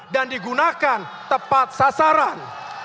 dan digunakan tepat sasaran